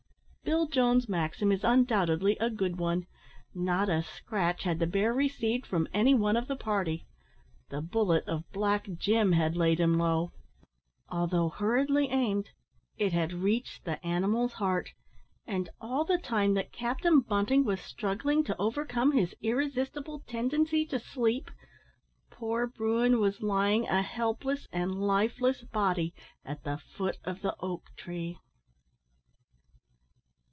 Bill Jones's maxim is undoubtedly a good one. Not a scratch had the bear received from any one of the party. The bullet of Black Jim had laid him low. Although hurriedly aimed, it had reached the animal's heart, and all the time that Captain Bunting was struggling to overcome his irresistible tendency to sleep, poor bruin was lying a helpless and lifeless body at the foot of the oak tree.